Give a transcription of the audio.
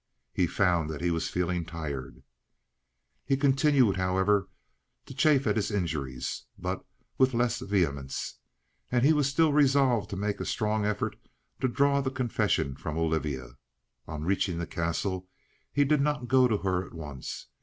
He found that he was feeling tired. He continued, however, to chafe at his injuries, but with less vehemence, and he was still resolved to make a strong effort to draw the confession from Olivia. On reaching the Castle, he did not go to her at once.